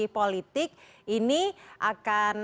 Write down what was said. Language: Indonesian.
politik ini akan